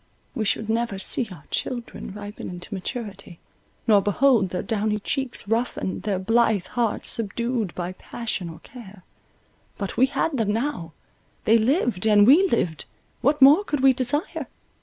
We should never see our children ripen into maturity, nor behold their downy cheeks roughen, their blithe hearts subdued by passion or care; but we had them now—they lived, and we lived—what more could we desire?